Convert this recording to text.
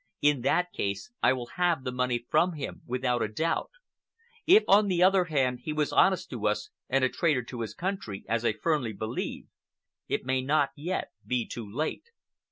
In that case, I will have the money from him without a doubt. If, on the other hand, he was honest to us and a traitor to his country, as I firmly believe, it may not yet be too late."